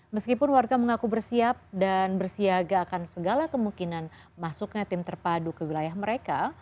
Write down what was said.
meskipun warga mengaku bersiap dan bersiaga akan segala kemungkinan masuknya tim terpadu ke wilayah mereka